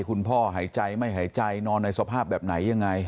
คุณพ่อหายใจไม่หายใจนอนในสภาพแบบไหนยังไง